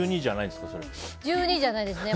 １２じゃないですね。